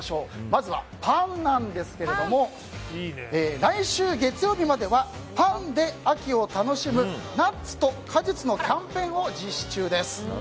まずはパンなんですが来週月曜日まではパンで秋を楽しむ「ナッツと果実」のキャンペーンを実施中です。